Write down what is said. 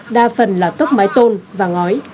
đa phần là tốc mái tôn và ngói